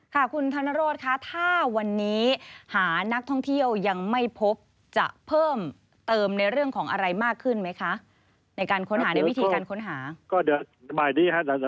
ค่ะคุณธนโรธคะถ้าวันนี้หานักท่องเที่ยวยังไม่พบจะเพิ่มเติมในเรื่องของอะไรมากขึ้นไหมคะในการค้นหาในวิธีการค้นหาก็เดี๋ยว